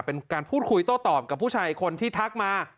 เป็นการพูดคุยโต้ตอบกับผู้ชายคนที่ทักมา